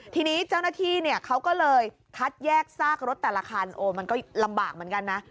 ทีนี้เจ้าหน้าที่เนี่ยเขาก็เลยคัดแยกซากรถแต่ละคันโอ้มันก็ลำบากเหมือนกันนะ